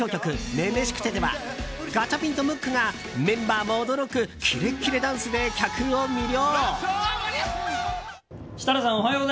「女々しくて」ではガチャピンとムックがメンバーも驚くキレキレダンスで客を魅了。